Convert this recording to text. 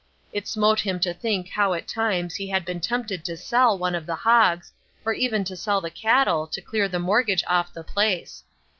It smote him to think how at times he had been tempted to sell one of the hogs, or even to sell the cattle to clear the mortgage off the place.